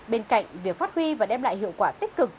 bên cạnh việc phát huy và đem lại hiệu quả tích cực